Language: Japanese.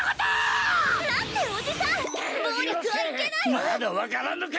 まだ分からんのか！